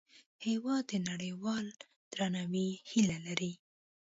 هېواد د نړیوال درناوي هیله لري.